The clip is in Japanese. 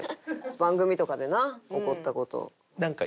番組とかでな怒った事。